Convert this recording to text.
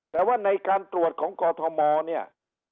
แต่ว่าในการตรวจของกอทมเนี่ย